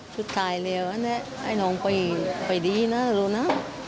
สุดท้ายเลยไอ้น้องไปดีนะรู้นะ